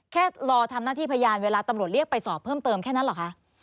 แค่รอทำหน้าที่พยานเวลาตำรวจเรียกไปสอบเพิ่มเติมแค่นั้นเหรอคะ